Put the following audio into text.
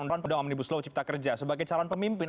undang omnibus law cipta kerja sebagai calon pemimpin